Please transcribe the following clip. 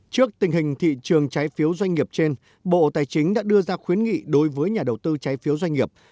trước tình hình thị trường trái phiếu doanh nghiệp trên bộ tài chính đã đưa ra khuyến nghị đối với nhà đầu tư trái phiếu doanh nghiệp